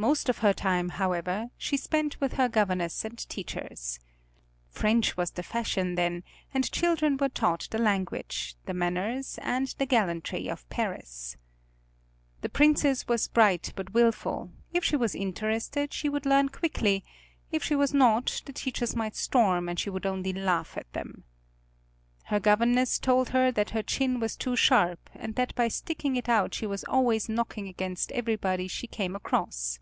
Most of her time, however, she spent with her governess and teachers. French was the fashion then and children were taught the language, the manners, and the gallantry of Paris. The Princess was bright but wilful, if she was interested she would learn quickly, if she was not the teachers might storm and she would only laugh at them. Her governess told her that her chin was too sharp, and that by sticking it out she was always knocking against everybody she came across.